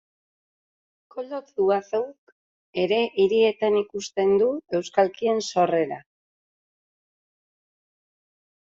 Koldo Zuazok ere hirietan ikusten du euskalkien sorrera.